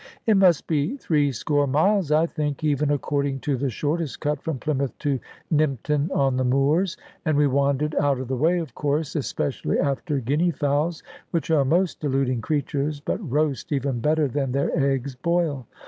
It must be threescore miles, I think, even according to the shortest cut, from Plymouth to Nympton on the Moors, and we wandered out of the way, of course, especially after guinea fowls, which are most deluding creatures, but roast even better than their eggs boil.